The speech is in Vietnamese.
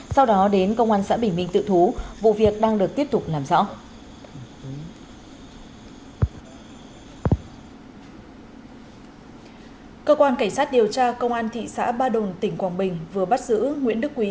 cơ quan cảnh sát điều tra công an thị xã ba đồn tỉnh quảng bình vừa bắt giữ nguyễn đức quý